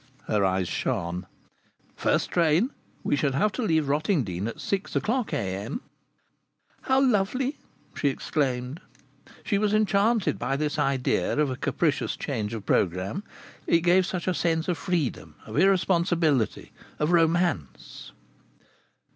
Her eyes shone. "First train! We should have to leave Rottingdean at six o'clock a.m." "How lovely!" she exclaimed. She was enchanted by this idea of a capricious change of programme. It gave such a sense of freedom, of irresponsibility, of romance!